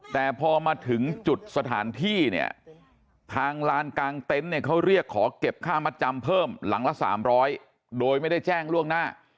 แต่พอมาถึงจุดสถานที่เนี่ยทางลานกลางเต็นต์เนี่ยเขาเรียกขอเก็บค่ามัดจำเพิ่มหลังละ๓๐๐โดยไม่ได้แจ้งล่วงหน้า